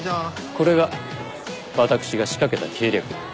これが私が仕掛けた計略。